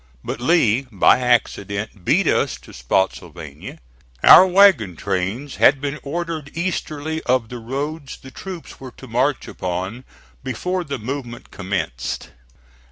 But Lee, by accident, beat us to Spottsylvania. Our wagon trains had been ordered easterly of the roads the troops were to march upon before the movement commenced.